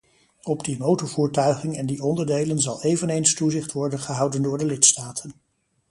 Op die motorvoertuigen en die onderdelen zal eveneens toezicht worden gehouden door de lidstaten.